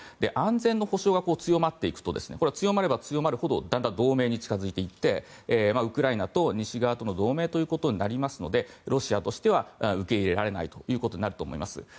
安全の保障が強まれば強まるほどだんだん同盟に近づいていってウクライナと西側との同盟ということになりますのでロシアとしては受け入れられないということになると思います。